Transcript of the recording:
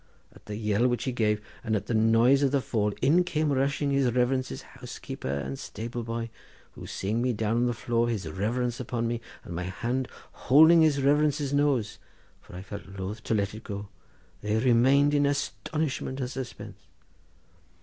At the yell which he gave, and at the noise of the fall, in came rushing his reverence's housekeeper and stable boy, who seeing us down on the floor, his reverence upon me and my hand holding his reverence's nose, for I felt loth to let it go, they remained in astonishment and suspense.